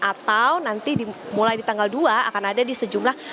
atau nanti dimulai di tanggal dua akan ada di sejumlah